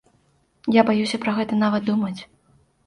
Я баюся пра гэта нават думаць.